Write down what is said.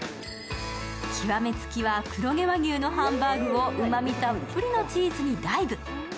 極め付きは黒毛和牛のハンバーグをうまみたっぷりのチーズにダイブ。